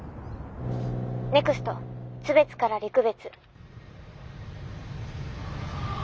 ネクスト津別から陸別。